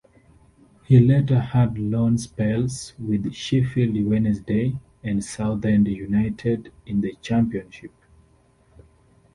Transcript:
He later had loan spells with Sheffield Wednesday and Southend United in the Championship.